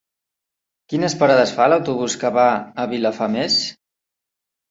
Quines parades fa l'autobús que va a Vilafamés?